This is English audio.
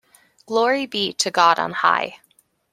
Glory be to God on high.